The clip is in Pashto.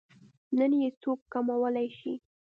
نه يې څوک کمولی شي.